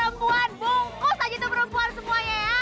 perempuan bungkus aja tuh perempuan semuanya ya